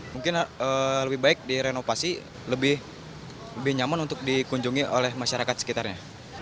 mungkin lebih baik direnovasi lebih nyaman untuk dikunjungi oleh masyarakat sekitarnya